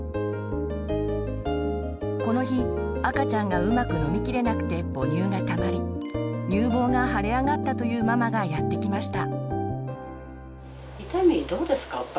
この日赤ちゃんがうまく飲みきれなくて母乳がたまり乳房が腫れ上がったというママがやって来ました。